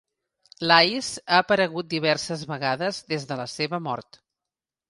L'Ice ha aparegut diverses vegades des de la seva mort.